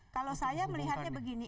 kalau saya melihatnya begini